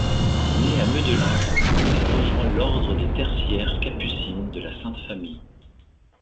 Née à Medellin, elle rejoint l'Ordre des Tertiaires Capucines de la Sainte Famille.